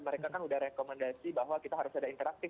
mereka kan sudah rekomendasi bahwa kita harus ada interaktif